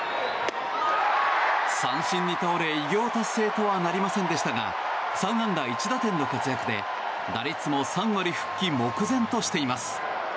三振に倒れ偉業達成とはなりませんでしたが３安打１打点の活躍で、打率も３割復帰目前としています。